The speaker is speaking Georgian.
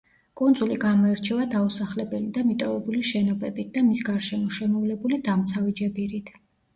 კუნძული გამოირჩევა დაუსახლებელი და მიტოვებული შენობებით და მის გარშემო შემოვლებული დამცავი ჯებირით.